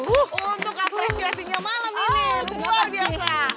bu untuk apresiasinya malam ini luar biasa